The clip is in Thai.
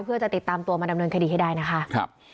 เพื่อจะติดตามตัวมาดำเนินคดีให้ได้นะคะ